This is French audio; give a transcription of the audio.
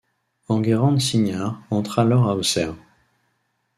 Enguerrand Signart entre alors à Auxerre.